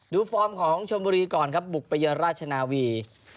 ฟอร์มของชมบุรีก่อนครับบุกไปเยือนราชนาวี